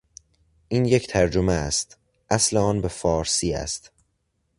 این یک ترجمه است; اصل آن به فارسی است.